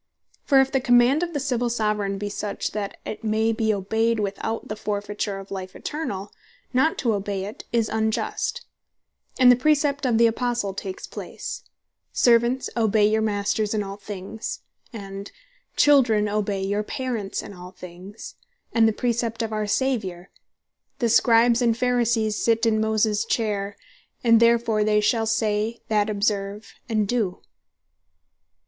For if the command of the Civill Soveraign bee such, as that it may be obeyed, without the forfeiture of life Eternall; not to obey it is unjust; and the precept of the Apostle takes place; "Servants obey your Masters in all things;" and, "Children obey your Parents in all things;" and the precept of our Saviour, "The Scribes and Pharisees sit in Moses Chaire, All therefore they shall say, that observe, and doe."